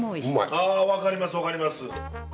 あ分かります分かります。